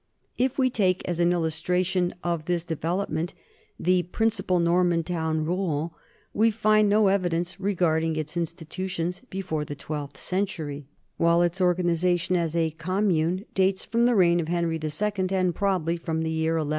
If we take as an illustration of this development the principal Norman town, Rouen, we find no evidence regarding its institutions before the twelfth century, while its organization as a commune dates from the reign of Henry II and probably from the year 1171.